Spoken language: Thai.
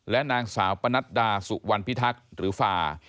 และนางสาวปนัดดาสุวรรณพิทักษ์หรือฟา